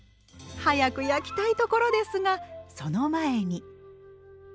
早く焼きたいところですがその前に。